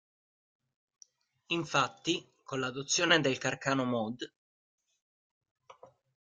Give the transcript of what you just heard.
Infatti con l'adozione del Carcano mod.